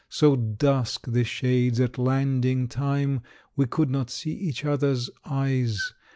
So dusk the shades at landing time, We could not see each other's eyes.